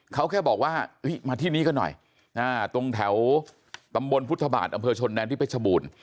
เขาแค่บอกว่ามาที่นี้ก็หน่อยตรงแถวตำบลพุทธบาทอำเภอชนแดนที่เพชรบูรณ์